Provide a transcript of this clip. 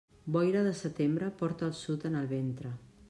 Boira de setembre, porta el sud en el ventre.